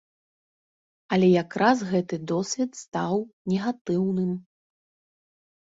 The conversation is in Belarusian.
Але якраз гэты досвед стаў негатыўным.